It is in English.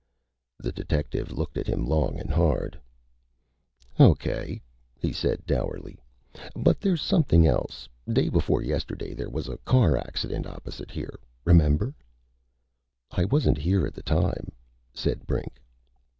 The detective looked at him long and hard. "O.K.," he said dourly. "But there's something else. Day before yesterday there was a car accident opposite here. Remember?" "I wasn't here at the time," said Brink.